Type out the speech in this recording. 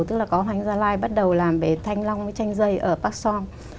tức là có hoành gia lai bắt đầu làm bể thanh long tranh dây ở park song